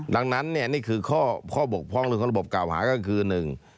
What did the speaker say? ดังนั้นเนี่ยนี่คือข้อบกพร้องของระบบกล่าวหาก็คือหนึ่ง